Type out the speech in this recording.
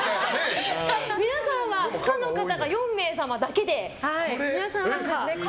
皆さんは不可の方が４名だけで。